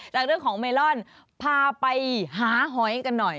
จากเรื่องของเมลอนพาไปหาหอยกันหน่อย